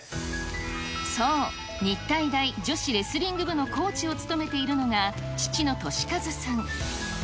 そう、日体大女子レスリング部のコーチを務めているのが、父の俊一さん。